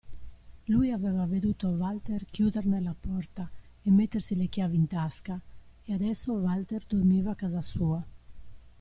Lui aveva veduto Walter chiuderne la porta e mettersi le chiavi in tasca e adesso Walter dormiva a casa sua.